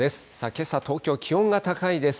けさ、東京、気温が高いです。